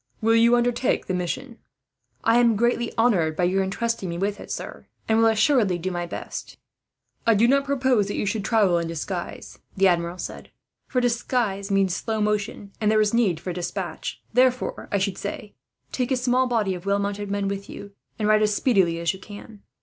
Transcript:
Will you undertake the mission?" "I am greatly honoured by your intrusting me with it, sir, and will assuredly do my best." "I do not propose that you should travel in disguise," the Admiral said, "for disguise means slow motion, and there is need for despatch. Therefore, I should say, take a small body of well mounted men with you, and ride as speedily as you can.